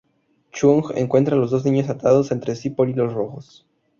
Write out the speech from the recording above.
Chung, encuentra a los dos niños atados entre sí por hilos rojos.